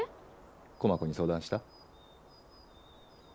駒子に相談した？